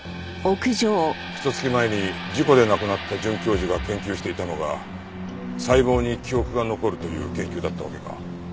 ひと月前に事故で亡くなった准教授が研究していたのが細胞に記憶が残るという研究だったわけか。